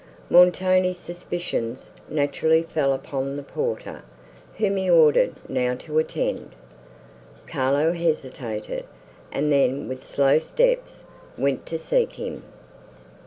Montoni's suspicions naturally fell upon the porter, whom he ordered now to attend. Carlo hesitated, and then with slow steps went to seek him.